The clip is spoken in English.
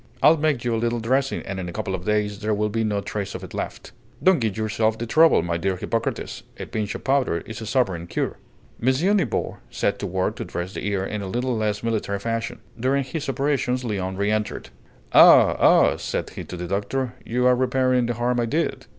"I'll make you a little dressing, and in a couple of days there will be no trace of it left." "Don't give yourself the trouble, my dear Hippocrates: a pinch of powder is a sovereign cure!" M. Nibor set to work to dress the ear in a little less military fashion. During his operations Léon re entered. "Ah! ah!" said he to the doctor: "you are repairing the harm I did."